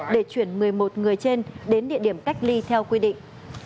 để chuyển một mươi một người trên đến địa điểm cách ly theo quy định